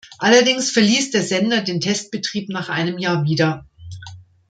Allerdings verließ der Sender den Testbetrieb nach einem Jahr wieder.